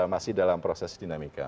masih dalam proses dinamika